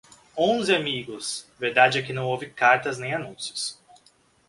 Onze amigos! Verdade é que não houve cartas nem anúncios.